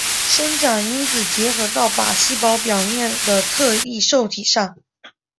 生长因子结合到靶细胞表面的特异受体上。